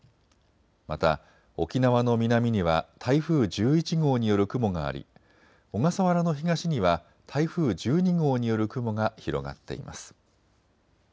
また沖縄の南には台風１１号による雲があり、小笠原の東には台風１２号による雲が広がっています。